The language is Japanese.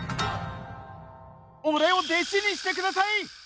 俺を弟子にしてください！